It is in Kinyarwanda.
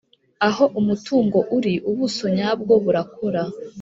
aho umutungo uri ubuso nyabwo burakora